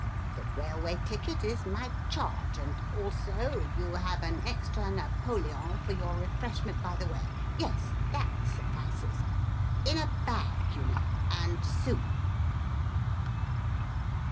The railway ticket is my charge and, also, you have an extra napoléon for your refreshment by the way. Yes, that suffices. In a bag, you know and soon!"